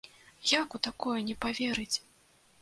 Як у такое не паверыць?